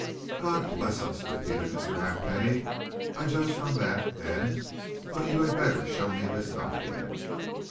"God bless us!" repeated Mr. Halfpenny. "I judge from that, then but you had better show me this document."